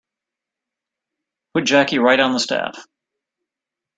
Put Jackie right on the staff.